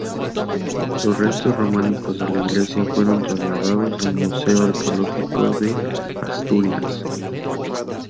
Los restos románicos de la iglesia fueron trasladados al Museo arqueológico de Asturias.